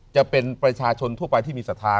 จะเป็นประชาชนทั่วไปที่มีศรัทธา